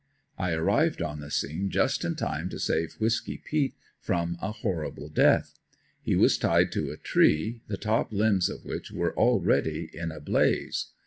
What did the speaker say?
I arrived on the scene just in time to save Whisky peat from a horrible death. He was tied to a tree, the top limbs of which were already in a blaze.